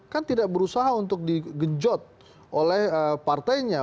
kan tidak berusaha untuk digenjot oleh partainya